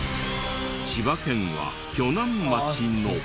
千葉県は鋸南町の。